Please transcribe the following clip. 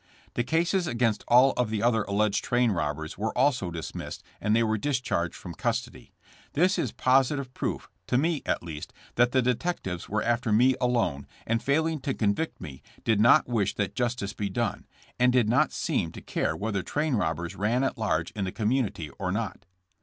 The cases against all of the other alleged train robbers were also dismissed and they were discharged from custody. This is positive proof, to me at least, that the detectives were after me alone, and failing to convict me, did not wish that justice be done, and did not seem to care whether train robbers ran at large in the com munity or not.